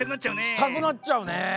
したくなっちゃうね。